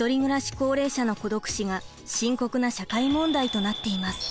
高齢者の孤独死が深刻な社会問題となっています。